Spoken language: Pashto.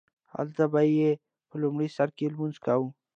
هلته به یې په لومړي سرکې لمونځ کاوو.